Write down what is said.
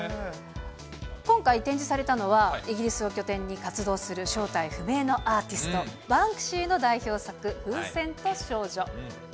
今回、展示されたのは、イギリスを拠点に活動する正体不明のアーティスト、バンクシーの代表作、風船と少女。